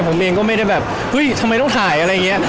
ผมเองก็ไม่ได้แบบเฮ้ยทำไมต้องถ่ายอะไรอย่างนี้